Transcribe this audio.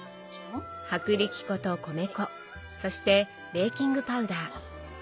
薄力粉と米粉そしてベーキングパウダー。